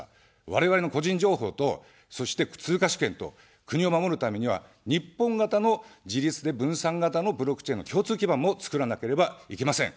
我々の個人情報と、そして通貨主権と、国を守るためには日本型の自立で分散型のブロックチェーンの共通基盤も作らなければいけません。